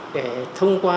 để thông qua